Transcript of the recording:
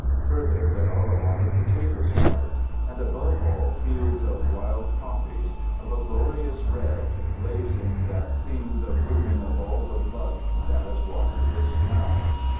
Further there are a lot of potato sprouts, and above all fields of wild poppies, of a glorious red, blazing, that seem the blooming of all the blood that has watered this ground.